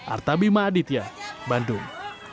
artabima aditya bandung